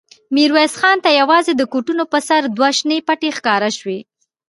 ميرويس خان ته يواځې د کوټونو پر سر دوې شنې پټې نوې ښکاره شوې.